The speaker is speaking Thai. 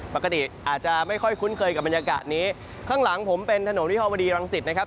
ปกติอาจจะไม่ค่อยคุ้นเคยกับบรรยากาศนี้ข้างหลังผมเป็นถนนวิภาวดีรังสิตนะครับ